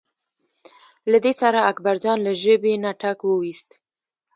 له دې سره اکبرجان له ژبې نه ټک وویست.